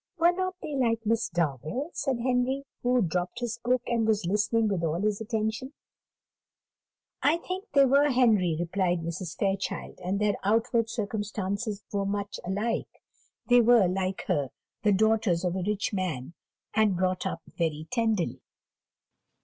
"Were not they like Miss Darwell?" said Henry, who had dropped his book, and was listening with all his attention. "I think they were, Henry," replied Mrs. Fairchild; "and their outward circumstances were much alike they were, like her, the daughters of a rich man, and brought up very tenderly.